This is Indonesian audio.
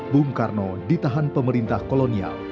bung karno ditahan pemerintah kolonial